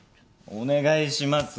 お願いします。